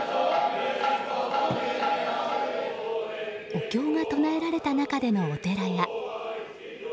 お経が唱えられた中でのお寺や。